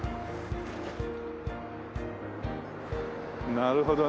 なるほどね。